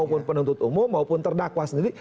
penasihat hukum maupun terdakwa sendiri